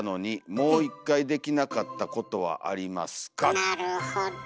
なるほど。